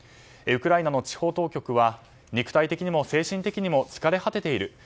ウクライナの地方当局は肉体的にも精神的にも疲れ果てている。